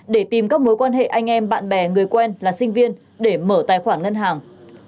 để tìm các mối quan hệ anh em bạn bè người quen là sinh viên để mở tài khoản ngân hàng